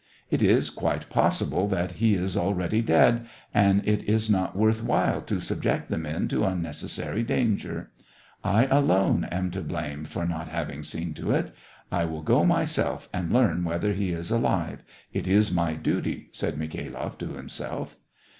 " It is quite possible that he is already dead, and it is not worth luhile to subject the men to unnecessary danger ; I alone am to blame for not I08 SEVASTOPOL IN MAY. having seen to it. I will go myself and learn whether he is alive. It is my duty," said Mikhat loff to himself.